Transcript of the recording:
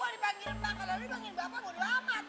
gua dipanggil pak kalau lu panggil bapak mau lama